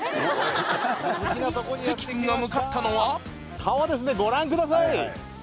関君が向かったのは川ですねご覧ください。